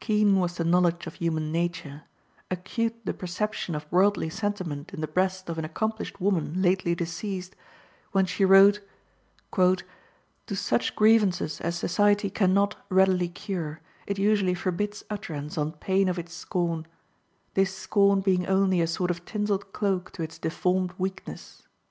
Keen was the knowledge of human nature, acute the perception of worldly sentiment in the breast of an accomplished woman lately deceased, when she wrote, "To such grievances as society can not readily cure, it usually forbids utterance on pain of its scorn; this scorn being only a sort of tinseled cloak to its deformed weakness."